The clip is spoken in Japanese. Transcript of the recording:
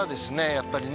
やっぱりね